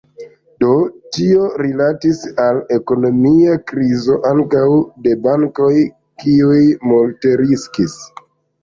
Do tio rilatis al ekonomia krizo ankaŭ de bankoj, kiuj multe riskis.